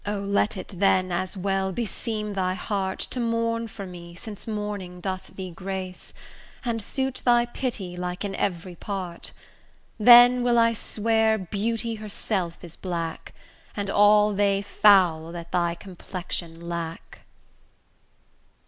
let it then as well beseem thy heart To mourn for me since mourning doth thee grace, And suit thy pity like in every part. Then will I swear beauty herself is black, And all they foul that thy complexion lack.